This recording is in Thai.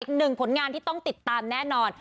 อีกหนึ่งผลงานที่ต้องติดตามแน่นอน